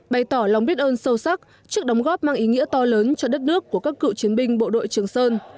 bày tỏ lòng biết ơn sâu sắc trước đóng góp mang ý nghĩa to lớn cho đất nước của các cựu chiến binh bộ đội trường sơn